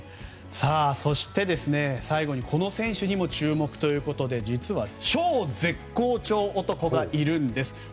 そして、最後にこの選手にも注目ということで実は超絶好調男がいるんです。